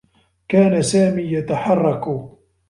كان سامي يتحرّك.